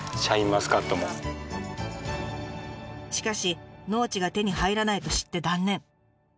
しかし農地が手に入らないと知って断念。